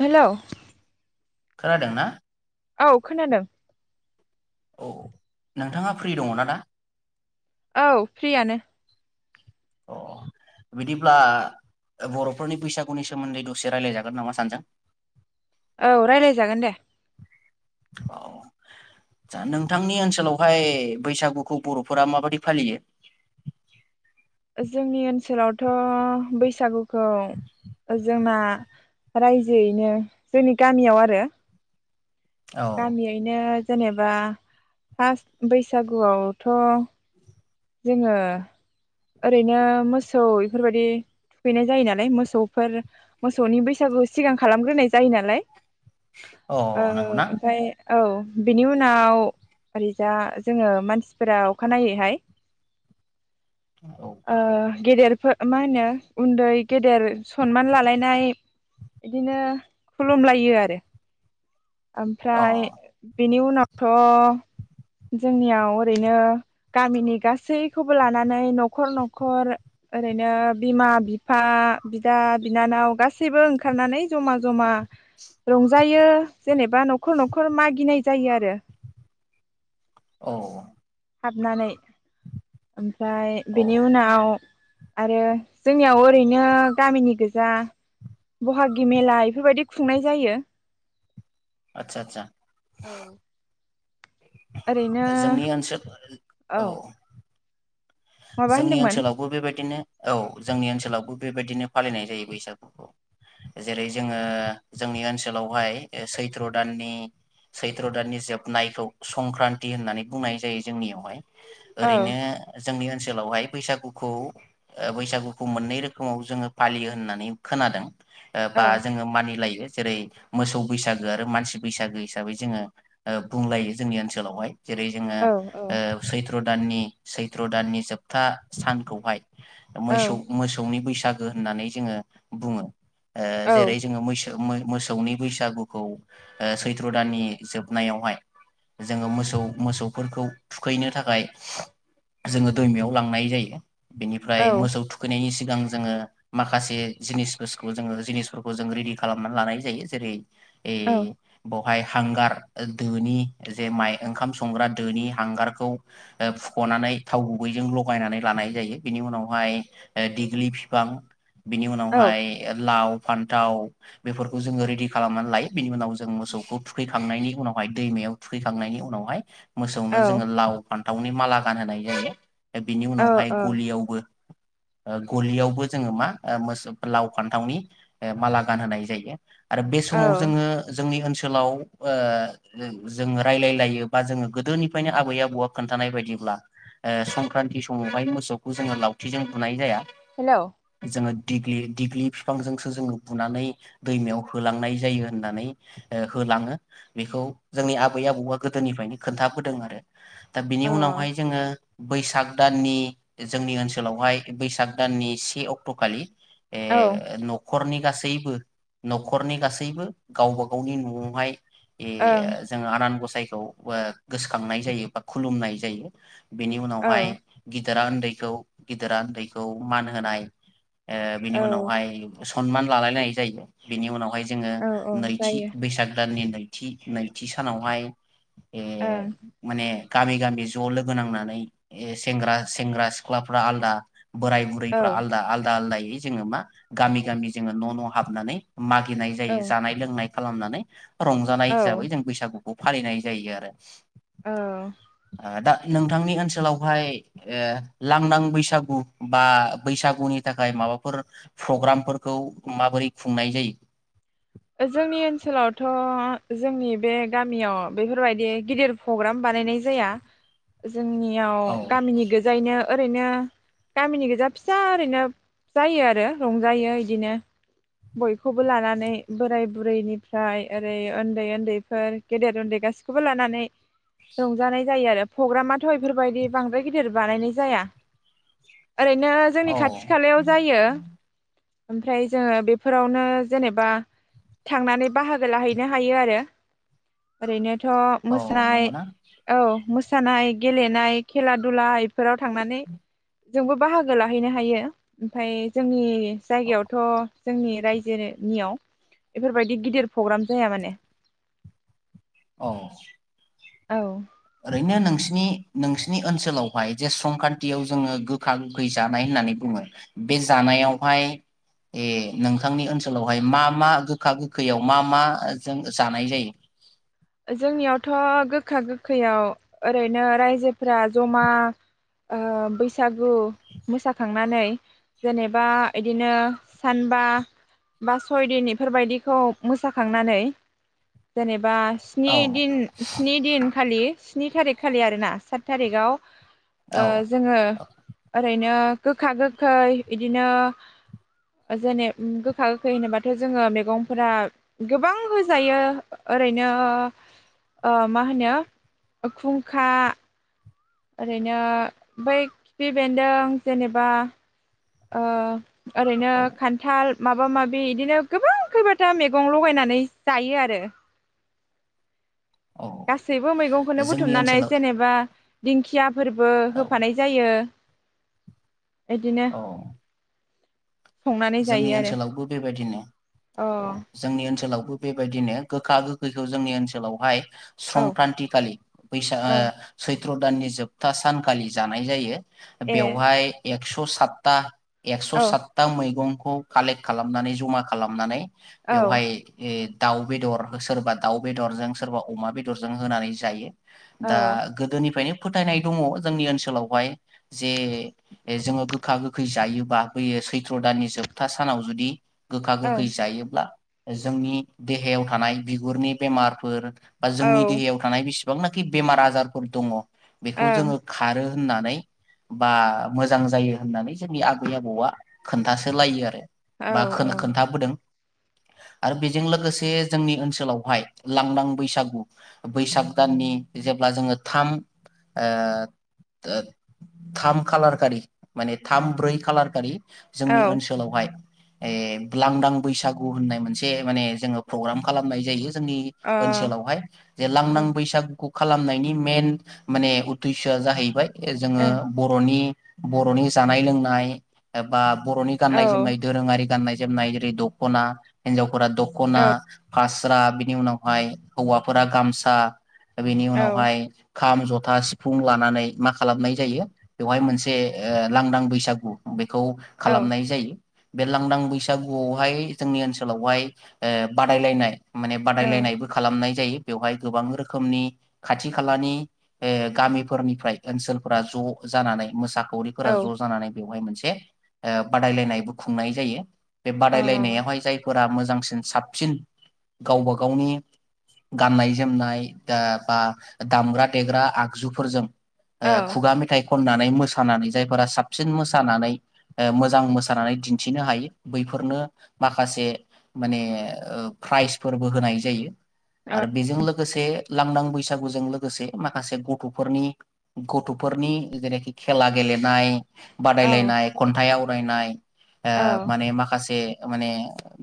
हेल'। खोनादों ना। औ खोनादों। औ नोंथाङा फ्रि दङ ना दा। औ फ्रियानो। अ बिदिब्ला बर'फोरनि बैसागुनि सोमोन्दै दसे राय्लायजागोन नामा सानैजों। औ राय्लायजागोन दे‌। औ आ नोंथांनि ओनसोलावहाय बैसागुखौ बर'फोरा माबादि फालियो। जोंनि ओनसोलावथ' बैसागु खौ जोंना रायजोयैनो जोंनि गामियाव आरो औ गामियैनो जेनेबा फास बैसागुआवथ जोङो ओरैनो मोसौ इफोरबायदि थुखैनाय जायो नालाय मोसौफोर मोसौनि बैसागु सिगां खालामग्रोनाय जायो नालाय। अ ओ नंगौना ओमफाय औ बेनि उनाव ओरैजा जोङो मानसिफोरा अखानायैहाय औ ओ गेदेरफोर मा होनो उन्दै गेदेर सनमान लालायनाय बिदिनो खुलुमलायो आरो अ ओमफ्राय बेनि उन नावथ' जोंनियाव ओरैनो गामिनि गासैखौबो लानानै न'खर न'खर ओरैनो बिमा बिफा बिदा बिनानाव गासैबो ओंखारनानै जमा जमा रंजायो। जेनेब बा न'खर न'खर मागिनाय जायो आरो औ हाबनानै उम फाय औ बेनि उनाव आरो जोंनियाव ओरैनो गामिनि गोजा बहागि मेला इफोरबायदि खुंनाय जायो। आतसा आतसा औ ओरैनो जोंनि ओनसोल औ माबा जोंनि होनदोंमोन ओनसोलावबो बेबायदिनो औ जोंनि ओनसोलावबो बेबायदिनो फालिनाय जायो बैसागुखौ जेरै जोङो जोंनि ओनसोलावहाय ओ सैथ्र दाननि सैथ्र दाननि जोबनायखौ संक्रान्ति होननानै बुंनाय जायो जोंनियावहाय। औ ओरैनो नि ओनसोलावहाय बैसागुखौ ओ बैसागुखौ मोननै रोखोमाव जोङो फालियो होननानै खोनादों। ओ औ बा जोङो मानिलायो। जेरै मोसौ बैसागो आरो मानसि बैसागो हिसाबै जोङो ओ बुंलायो जोंनि ओनसोलावहाय। जेरै जोङो औ ओ सैथ्र दाननि सै सैथ्र दाननि जोबथा सानखौहाय ओ औ मोसौ मोसौनि बैसा सागो होननानै जोङो बुङो। ओ औ जेरै जोङो मैसो मो-मोस सौनि बैसागुखौ ओ सैथ्र दाननि जोबनायावहाय जोङो मोसौ मोसौफोरखौ थुखैनो थाखाय जोङो दैमायाव लांनाय जायो। औ बेनिफ्राय मोसौ थुखैनायनि सि सिगां जोङो माखासे जिनिसफोसखौ जोङो जिनिसफोरखौ जों रेदि खालामनानै लानाय जायो जेरै ए ब हांगार दोनि जे माइ ओंखाम संग्रा दोनि हांगारखौ फुख'नानै थाव गुबैजों लगायनानै लानाय जायो बिनि उनावहाय ए दिगलि फिफां बिनि उनावहाय लाव फान्थाव बेफोरखौ जोङो रेडि खालामनानै लायो बिनि उनाव जों मोसौखौ थुखैखांनायनि उनावहाय दैमायाव थुखैखांनायनि उनावहाय मोसौनो जोङो लाव फान दाउनि माला गानहोनाइ [inaudible] बिनि औ उनावहाय औ गलियावबो ओ गलियावबो जोङो मा ओ मोसौ लाव फान्थावनि माला गानहोनाय जायो। आरो बे औ समाव जोङो जोंनि ओनसोल सोलाव ओ जोङो रायजलायलायो बा जोङो गोदोनिफ्रायनो आबै आबौआ खोन्थानाय बायदिब्ला ओ संक्रान्तथि समावहाय मोसौखौ जोङो लावथिजों बुनाय जाया। हेलौ जोङो दिग्लि दिग्लि बिफांजोंसो जोङो बुनानै दैमायाव होलांनाय जायो होननानै ओ होलाङो बेखौ जोंनि आबै आबौआ गोदोनिफ्रायनो खोन्थाबोदों आरो दा अ बिनि उनावहाय जोङो बैसाग दाननि जोंनि ओनसोलावहाय बैसाग दाननि से अक्टखालि औ ओं ए न खरनि गासैबो नखरनि गासैबो गावबा गावनि नआवहाय औ ए जोङो आनान गसाइ खौ ओ गोसोखांनाय जायो बा खुलुमनाय जायो। बेनि उनावहाय थोरा उन्दैखौ गिदिरा उन्दैखौ मान होनाय ओ बिनि औ उनावहाय मोसौ सनमान लालायनाय जायो बिनि उनावहाय जोङो औ औ नैथि जायो बैसाग दाननि नै थि नैथि सानावहाय ए ओं माने गामि गामि ज लोगो नांनानै ए सेंग्रा सेंग्रा सिख्लाफ्रा आलदा बोराय बुरैफ्रा आलदा आलदा आलदायै जोङो मा गामि गामि जोङो न न हाबनानै मागिनाय जायो जानाय लोंनाय खालामनानै रंजानाय औ हिसाबै जों बैसागु फालिनाय जायो आरो। औ। आ दा नोंथांनि ओनसो सोलावहाय ओ लांदां बैसागु बा बैसागुनि थाखाय माबाफोर प्रग्रामफोरखौ माबोरै खुंनाय जायो? जोंनि ओनसोलावथ' जोंनि बे गामियाव बेफोरबायदि गिदिर प्रग्राम बानायनाय जाया। जोंनियाव औ गामिनि गोजायैनो ओरैनो गामिनि गोजा फिसा ओरैनो जायो आरो रंजायो बिदिनो बयखौबो लानानै बोराय बुरैनिफ्राय ओरै उन्दै उन्दैफोर गेदेर उन्दै गासैखौबो लानानै रंजानाय जायो आरो प्रग्रामाथ' बेफोरबायदि बांद्राय गिदिर बानायनाय जाया। ओरैनो जोंनि औ खाथि खालायाव जायो। ओमफ्राय जोङो बेफोरावनो जेनेबा थांनानै बाहागो लाहैनो हायो आरो ओरैनो थ' औ मोसानाय नंगौना औ मोस सानाय गेलेनाय खेला दुलाय फोराव थांनानै जोंबो बाहागो लाहैनो हायो ओमफ्राय जोंनि औ जायगायावथ' जोंनि रायजोनियाव एफोरबायदि गिदिर प्रग्राम जाया माने औ। औ। ओरैनो नोंसिनि नोंसिनि ओनसोलावहाय जे संख्रान्थियाव जोङो गोखा गोखै जानाय होननानै बुङो बे जानायावहाय ए नोंथांनि ओनसोलावहाय मा मा गोखा गोखैयाव मा मा जों जानाय जायो? जोंनियावथ' गोखा गोखैयाव ओरैनो रायजोफोरा जमा ओ बैसागु मोसाखांनानै जेनेबा इदिनो सानबा बा सयदिन बेफोरबायदिखौ मोसाखांनानै जेनेबा स्नि औ दिन स्नि दिन खालि स्नि थारिख खालि आरोना सात थारिकाव ओ औ जोङो ओरैनो गोखा गोखै बिदिनो जेने गोखा गोखै होनोबाथ' जोङो मैगंफोरा गोबां होजायो ओरैनो ओ मा होनो खुंखा ओरैनो बै खिफि बेन्दों जेनेबा ओ ओरैनो औ खान्थाल माबा माबि इदिनो गोबां खैबाथा मेगं लगायनानै जायो आरो। औ गासैबो मैगंखौनो जोंनि बुथुमनानै ओनसोलाव जेनेबा दिंखिया फोरबो औ होफानाय जायो। बिदिनो औ जोंनि ओनसोलावबो बेबायदिनो अ औ जोंनि ओनसोलाव बेबायदिनो गोखा गोखैखौ जोंनि ओनसोलावहाय औ संक्रान्ति खालि बैसा ओ औ सै त्र दाननि जोबथा सानखालि जानाय जायो। ए बेवहाय एक स' सातता एकस' औ सातता मै मेगंखौ कालेक्ट खालामनानै जमा खालामनानै औ बेवहाय ए दाउ बेदर सोरबा दाउ बेदरजों सोरबा अमा बेदरजों होनानै जायो। औ दा गोदोनिफ्रायनो फोथायनाय दङ जोंनि ओनसोलावहाय जे जोङो गोखा गोखै जायोबा बै सैथ्र' दाननि जोबथा सानाव जुदि गोखा गोखै ओं जायोब्ला जोंनि देहायाव थानाय बिगुरनि बेमारफोर बा जोंनि औ देहायाव थानाय बिसि बांनाखि बेमार आजारफोर दङ बेखौ ओं जोङो खारो। होननानै बा मोजां जायो होननानै जोंनि आबै आबौआ खोन्थासो लायो आरो। औ बा खोन-खोन्थाबोदों। आरो बेजों लोगोसे जोंनि ओनसोलावहाय लांदां बैसागु बैसाग दाननि जेब्ला जोङो थाम ओ थाम खालारखारि माने थाम ब्रै खालारखालि औ जोंनि ओनहोलाव हाय ए लांदां बैसागु होननाय मोनसे माने जोङो पग्राम खालामनाय जायो। जोंनि अ ओनसोलावहाय जे औ लांदां बैसागु खालामनायनि मेन माने उददेसआ जाहैबाय जोङो बर'नि बर'नि जानाय लोंनाय एबा बर' गाननाय ओं जोमनाय दोरोङारि गाननाय जोमनाय ओरै दख'ना हिनजाव फोरा औ दख'ना फास्रा बिनि उनावहाय हौवाफोरा गामसा बेनि औ उनावहाय खाम, जथा, सिफुं लानानै मा खालामनाय जायो बेवहाय मोनसे ओ लांदां बैसागु खौ औ खालामनाय जायो। बे लांदां बैसागुआवहाय जोंनि ओनसोलावहाय ओ बादायलायनाय माने बादायलायनायबो खालामनाय जायो। बेवहाय गोबां रोखोमनि खाथि खालानि ओ गामिफोरनिफ्राय ओनसोलफोरा ज' जानानै मोसा अ खावरिफोरा औ ज' जानानै बेवहाय मोन [unintelligible] ओ बादायलायनायबो खुंनाय जायो। बे बादाय लायनायावहाय जाय फोरा मोजांसिन साबसिन गावबा गावनि गाननाय जोमनाय ओ बा दामग्रा देग्रा आगजुफोरजों ओ औ खुगा मेथाइ खननानै मोसानानै जायफोरा साबसिन मोसानानै ओ मो जां मोसानानै दिन्थिनो हायो। बैफोरनो माखासे माने ओ प्राइजफोरबो होनाय जायो। औ आरो बेजों लोगोसे लांदां बैसागुजों लोगोसे माखासे गथ'फोरनि गथ'फोरनि जेरै-खेला गेलेनाय बादाय औ लायनाय खन्थाइ आव रायनाय ओ माने माखासे माने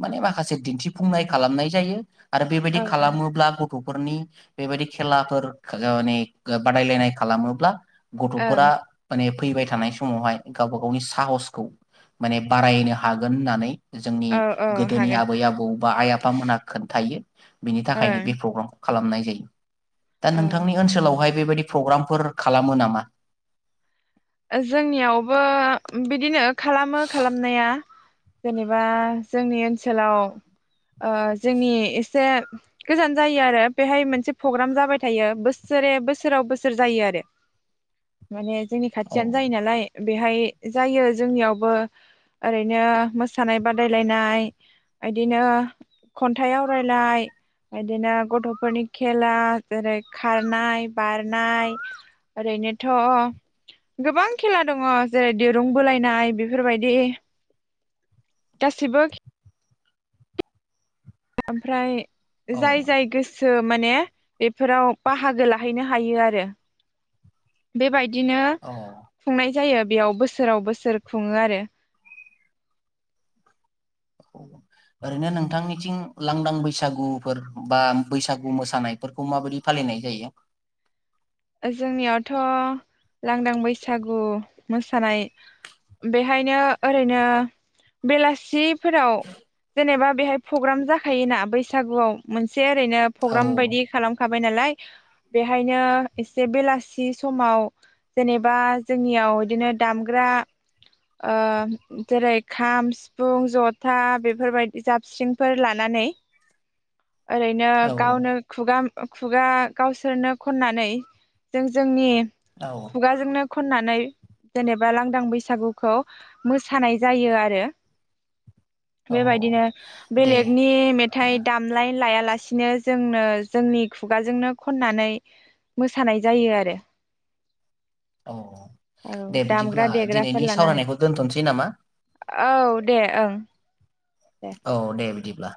माने माखासे दिन्थिफुंनाय खालामनाय जायो। आरो बेबायदि ओं खालामोब्ला गथ' फोरनि बेबायदि खेलाफोर माने बादायलायनाय खालामोब्ला गथ'फोरा औ माने फैबाय थानाय समावहाय गावबा गावनि साहसखौ माने बारायनो हागोन होननानै जोंनि औ गोदोनि हागोन आबै आबौ बा आइ आफामोनहा खोन्थायो। बिनि थाखायनो ओं बे प्रग्रामखौ खालामनाय जायो। दा औ नोंथांनि ओनसोलावहाय बेबायदि प्रग्रामफोर खालामो नामा? जोंनियावबो बिदिनो खालामो खालामनाया जेनेबा जोंनि ओनसोलाव ओ जोंनि एसे गोजान जायो आरो बेहाय मोनसे प्रग्राम जाबाय थायो बोसोरे बोसोराव बोसोर जायो आरो माने जोंनि औ खाथियानो जायो नालाय बेहाय जायो जोंनियावबो ओरैनो मोसानाय बादायलायनाय इदिनो खन्थाइ आवरायनाय इदिनो गथफोरनि खेला जेरै खारनाय बारनाय ओरैनोथ' गोबां खेला दङ जेरै दिरुं बोलायनाय बेफोरबायदि गासैबो ओमफ्राय औ जाय जाय गोसो माने बेफोराव बाहागो लाहैनो हायो आरो बेबाय दिनो औ खुंनाय जायो बेयाव बोसोराव बोसोर खुङो आरो ओरैनो नोंथांनिथिं लांदां बैसागुफोर बा बैसागु मोसानायफोरखौ माबायदि फालिनाय जायो? जोंनियावथ लांदां बैसागु मोसानाय बेहायनो ओरैनो बेलासि फोराव जेनेबा बेहाय प्रग्राम जाखायोना बैसागुआव मोनसे एसे ओरैनो औ प्रग्राम बायदि खालामखा नालाय बेहायनो एसे बेलासि समाव जेनेबा जोंनियाव बिदिनो दामग्रा ओ जेरै खाम सिफुं जथा बेफोरबायदि जाबस्रिंफोर लानानै ओरैनो औ गावनो खुगा ओ खुगा गावसोरनो खननानै जों जोंनि औ खुगाजोंनो खननानै जेनेबा लांदां बैसागुखौ मोसानाय जायो आरो औ बेबायदिनो दे बेलेगनि ओ मेथाइ दामलाय लाया लासेनो जोंनो जोंनि खुगाजोंनो खननानै मोसानाय जायो आरो औ औ दे दामग्रा बिदिब्ला दिनैनि देग्राफोर लानानै सावरायनायखौ दोनथ'सै नामा औ दे ओं दे औ दे बिदि ब्ला